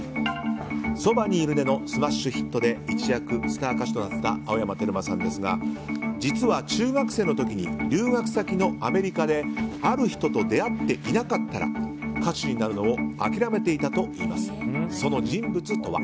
「そばにいるね」のスマッシュヒットで一躍スター歌手となった青山テルマさんですが実は、中学生の時留学先のアメリカである人と出会っていなかったら歌手になるのを諦めていたといいます。